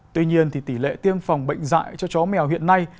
tuy nhiên tỷ lệ tiêm phòng bệnh dạy cho chó mèo hiện nay